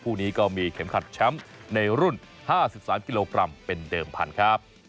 คู่นี้ก็มีเข็มขัดแชมป์ในรุ่น๕๓กิโลกรัมเป็นเดิมพันธุ์ครับ